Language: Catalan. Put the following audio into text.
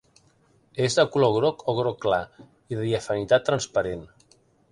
És de color groc o groc clar, i de diafanitat transparent.